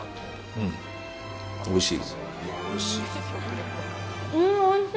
うん、おいしい！